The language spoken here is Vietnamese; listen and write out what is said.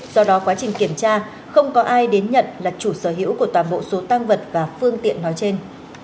do đó quá trình kiểm tra không có ai đến nhận là chủ sở hữu của toàn bộ số tăng vật và phương tiện nói trên